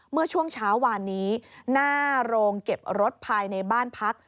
เมื่อช่วงเช้าวานนี้หน้าโรงเก็บรถภายในบ้านพัก